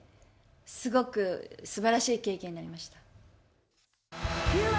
すごくすばらしい経験になりました。